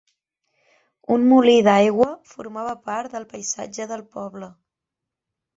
Un molí d'aigua formava part del paisatge del poble.